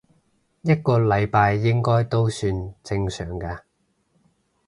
一個禮拜應該都算正常嘅